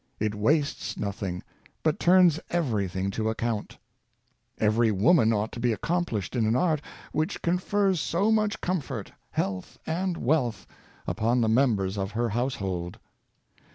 It wastes nothing, but turns everything to account. Every woman ought to be accomplished in an art which confers so much comfort, health and wealth upon the members of her household.